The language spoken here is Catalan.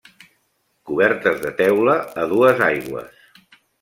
Cobertes de teula, a dues aigües.